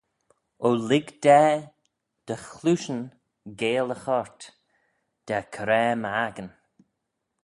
O lhig da dty chleayshyn geill y choyrt: da coraa m'accan.